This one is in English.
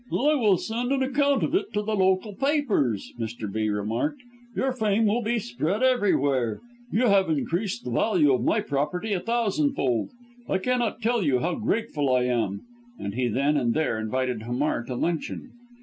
"I shall send an account of it to the local papers," Mr. B. remarked. "Your fame will be spread everywhere. You have increased the value of my property a thousandfold, I cannot tell you how grateful I am" and he, then and there, invited Hamar to luncheon.